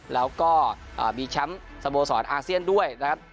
แล้วก็มีแชมป์สโมสรอาเซียนด้วยนะครับ